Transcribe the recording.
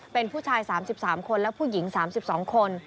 เป็นผู้ชาย๓๓คนและผู้หญิง๓๒คน